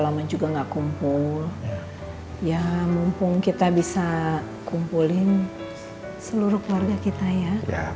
lama juga enggak kumpul ya mumpung kita bisa kumpulin seluruh keluarga kita ya